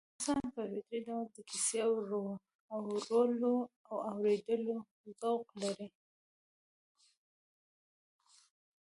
انسان په فطري ډول د کيسې اورولو او اورېدلو ذوق لري